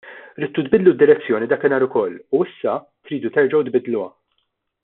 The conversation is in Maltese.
Ridtu tbiddlu d-direzzjoni dakinhar ukoll u issa tridu terġgħu tbiddluha.